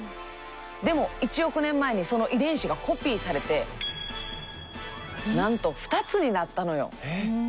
でも１億年前にその遺伝子がコピーされてなんと２つになったのよ。